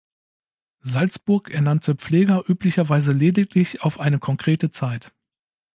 Salzburg ernannte Pfleger üblicherweise lediglich auf eine konkrete Zeit.